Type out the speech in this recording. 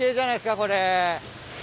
これ。